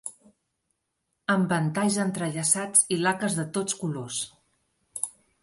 Am ventalls entrellaçats i laques de tots colors